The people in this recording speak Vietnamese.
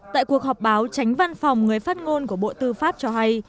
tại cuộc họp báo tránh văn phòng người phát ngôn của bộ tư pháp cho hay